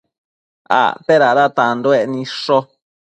Acte dada tanduec nidshu